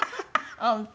本当？